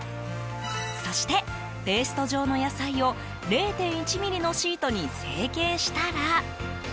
そして、ペースト状の野菜を０．１ｍｍのシートに成形したら。